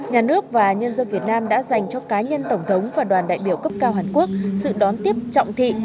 nhà nước và nhân dân việt nam đã dành cho cá nhân tổng thống và đoàn đại biểu cấp cao hàn quốc sự đón tiếp trọng thị